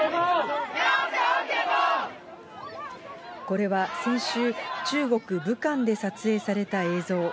これは先週、中国・武漢で撮影された映像。